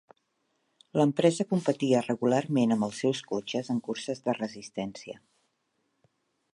L'empresa competia regularment amb els seus cotxes en curses de resistència.